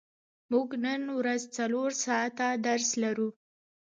موږ نن ورځ څلور ساعته درس لرو.